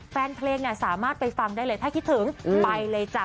แฟนเพลงสามารถไปฟังได้เลยถ้าคิดถึงไปเลยจ้ะ